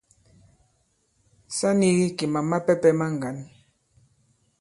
Sa nīgī kì màm mapɛ̄pɛ̄ ma ŋgǎn.